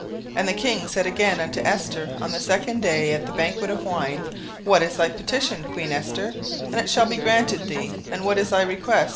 17:007:002 And the king said again unto Esther on the second day at the banquet of wine, What is thy petition, queen Esther? and it shall be granted thee: and what is thy request?